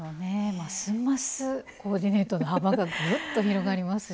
ますますコーディネートの幅がぐっと広がりますし。